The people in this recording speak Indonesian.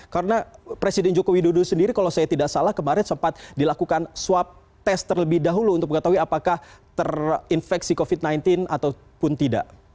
karena presiden joko widodo sendiri kalau saya tidak salah kemarin sempat dilakukan swab test terlebih dahulu untuk mengetahui apakah terinfeksi covid sembilan belas ataupun tidak